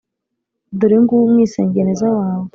Dore nguwo umwisengeneza wawe